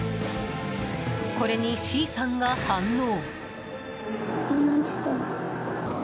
これにＣさんが反応。